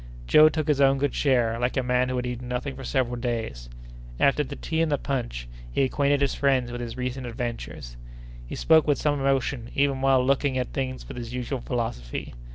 Joe took his own good share, like a man who had eaten nothing for several days. After the tea and the punch, he acquainted his friends with his recent adventures. He spoke with some emotion, even while looking at things with his usual philosophy.